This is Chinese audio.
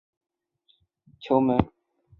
下半场西切罗将对方的传中挡进自家球门。